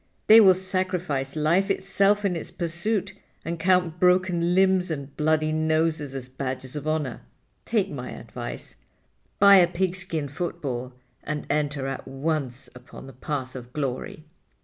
They will sacrifice life itself in its pursuit and count broken limbs and bloody noses as badges of honor. Take my advice. Buy a pigskin football and enter at once upon the path of glory."